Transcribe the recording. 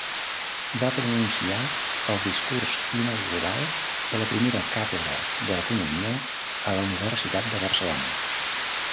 Va pronunciar el discurs inaugural de la primera càtedra d'economia a la Universitat de Barcelona.